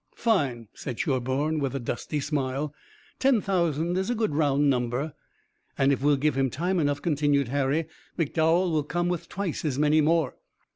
"Fine," said Sherburne with a dusty smile. "Ten thousand is a good round number." "And if we'll give him time enough," continued Harry, "McDowell will come with twice as many more."